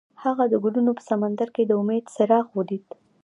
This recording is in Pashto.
هغه د ګلونه په سمندر کې د امید څراغ ولید.